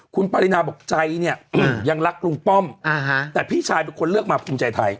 คุณปรินาบอกใจเนี่ยยังรักลุงป้อมแต่พี่ชายเป็นคนเลือกมาภูมิใจไทย